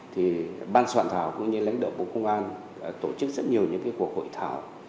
thì ban soạn thảo cũng như lãnh đạo bộ công an tổ chức rất nhiều những cuộc hội thảo